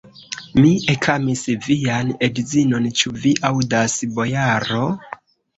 Mi ekamis vian edzinon, ĉu vi aŭdas, bojaro?